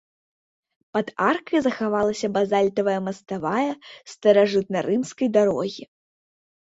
Пад аркай захавалася базальтавая маставая старажытнарымскай дарогі.